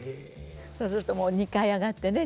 そうするともう２階へ上がってね